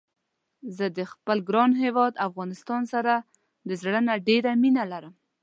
زه د خپل ګران هيواد افغانستان سره د زړه نه ډيره مينه لرم